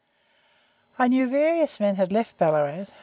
"I knew various men had left Ballarat.